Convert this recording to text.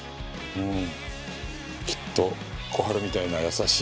うん。